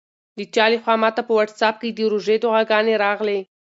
د چا لخوا ماته په واټساپ کې د روژې دعاګانې راغلې.